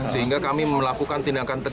sehingga kami melakukan tindakan tegas